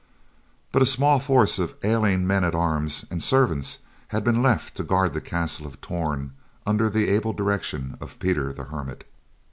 But a small force of ailing men at arms, and servants had been left to guard the castle of Torn under the able direction of Peter the Hermit.